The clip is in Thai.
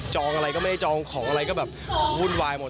อะไรก็ไม่ได้จองของอะไรก็แบบวุ่นวายหมด